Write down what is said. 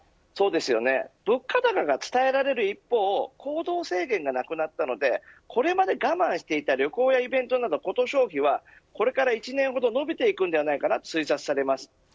物価高が伝えられる一方行動制限がなくなったのでこれまで我慢していた旅行やイベントなどコト消費はこれから１年ほど伸びていくのではと推測されます。